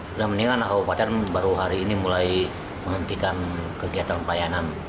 sudah mendingan anak kabupaten baru hari ini mulai menghentikan kegiatan pelayanan